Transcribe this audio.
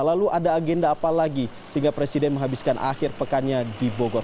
lalu ada agenda apa lagi sehingga presiden menghabiskan akhir pekannya di bogor